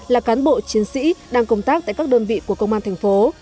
là cán bộ chiến sĩ đang công tác tại các đơn vị của công an tp